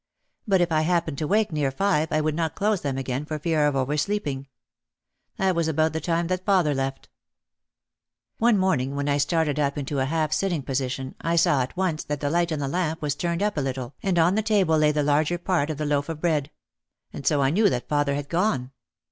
But if I happened to wake near five I would not close them again for fear of oversleeping. That was about the time that father left. One morning when I started up into a half sitting po sition I saw at once that the light in the lamp was turned up a little and on the table lay the larger part of the loaf of bread. And so I knew that father had gone.